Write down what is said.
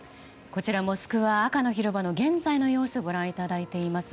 こちらモスクワ赤の広場の現在の様子をご覧いただいています。